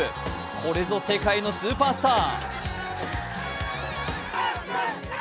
これぞ世界のスーパースター。